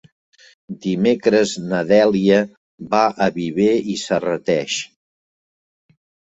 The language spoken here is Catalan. Dimecres na Dèlia va a Viver i Serrateix.